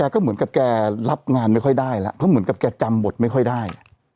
ก็มีงานไม่ค่อยได้มาจำบทไม่ค่อยได้